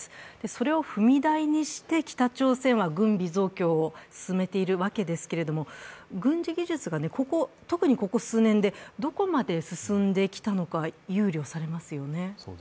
それを踏み台にして北朝鮮は軍備増強を進めているわけですけれども、軍事技術が特にここ数年でどこまで進んできたのか憂慮されますよね。